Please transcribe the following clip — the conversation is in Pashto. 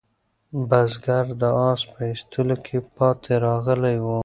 بزګر د آس په ایستلو کې پاتې راغلی و.